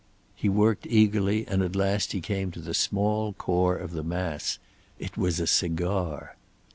He worked eagerly, and at last he came to the small core of the mass. It was a cigar!